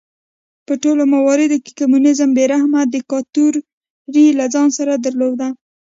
په ټولو مواردو کې کمونېزم بې رحمه دیکتاتورۍ له ځان سره درلود.